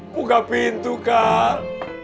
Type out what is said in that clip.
buka pintu kal